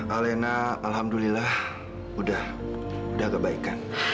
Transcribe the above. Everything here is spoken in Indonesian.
alena alhamdulillah udah udah agak baikan